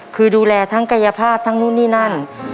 คือดูแลทั้งกายภาพทั้งนู่นนี่นั่น